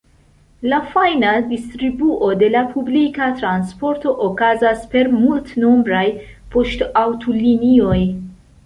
La fajna distribuo de la publika transporto okazas per multnombraj poŝtaŭtolinioj.